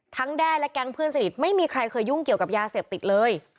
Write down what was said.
แด้และแก๊งเพื่อนสนิทไม่มีใครเคยยุ่งเกี่ยวกับยาเสพติดเลย